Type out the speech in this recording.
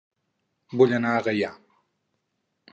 Vull anar a Gaià